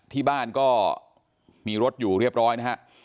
ที่บ้านก็มีรถอยู่เรียบร้อยนะฮะ